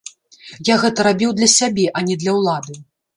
Я гэта рабіў для сябе, а не для ўлады.